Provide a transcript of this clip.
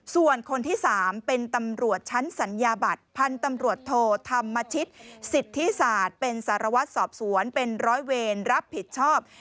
ส่วนคนที่๓เป็นตำรวจชั้นสัญญาบัตรพันธุ์ตำรวจโทธรรมชิตสิทธิศาสตร์เป็นสารวัตรสอบสวนเป็นร้อยเวรรับผิดชอบ